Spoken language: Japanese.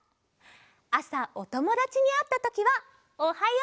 あさおともだちにあったときはおはよう！